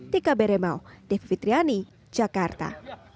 tkb remau devi fitriani jakarta